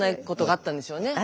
あったんでしょうね。